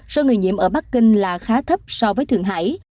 số người nhiễm ở bắc kinh là khá thấp so với thượng hải